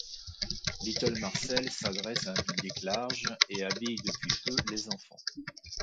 Little Marcel s'adresse à un public large et habille depuis peu les enfants.